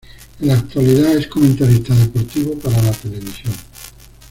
En la actualidad es comentarista deportivo para la televisión.